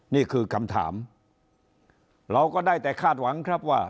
นี่คือคำถามเราก็ได้แต่คาดหวังครับว่า